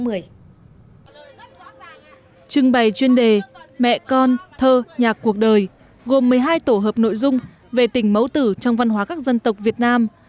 trưng bày chuyên đề mẹ con thơ nhạc cuộc đời gồm một mươi hai tổ hợp nội dung về tình mẫu tử trong văn hóa các dân tộc việt nam